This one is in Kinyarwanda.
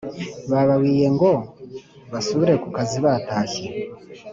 Babawiye ngo basubire ku kazi batashye